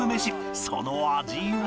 その味は？